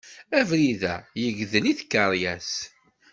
Abrid-a yegdel i tkeryas.